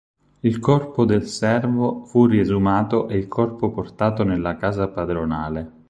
Il corpo del servo fu riesumato e il corpo portato nella casa padronale.